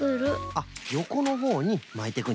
あっよこのほうにまいていくんじゃな。